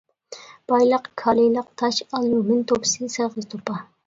بايلىق كالىيلىق تاش، ئاليۇمىن توپىسى، سېغىز توپا.